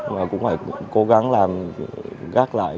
mà cũng phải cố gắng làm gác lại